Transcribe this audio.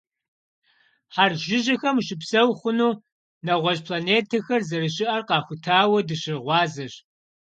Хьэрш жыжьэм ущыпсэу хъуну, нэгъуэщӀ планетэхэр зэрыщыӀэр къахутауэ дыщыгъуазэщ.